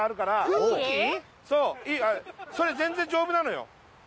そうそれ全然丈夫なのよ。